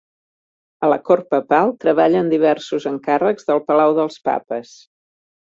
A la cort Papal treballa en diversos encàrrecs pel Palau dels Papes.